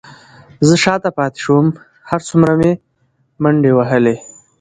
زه شاته پاتې شوم، هر څومره مې منډې وهلې،